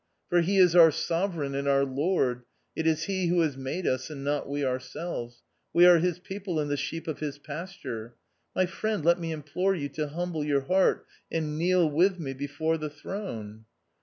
For he is our sovereign and our Lord ; it is he who has made us and not we ourselves ; we are his people, and the sheep of his pasture. My friend, let me implore you to humble your heart and kneel with me before the throne."